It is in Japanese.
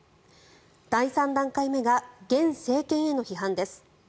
第３段階目が現政権への批判です。